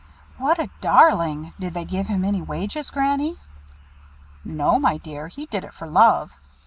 "What a darling! Did they give him any wages, Granny?" "No! my dear. He did it for love.